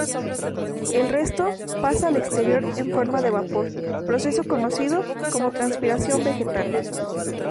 El resto, pasa al exterior en forma de vapor, proceso conocido como transpiración vegetal.